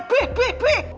bih bih bih